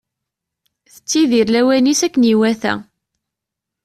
Tettidir lawan-is akken iwata.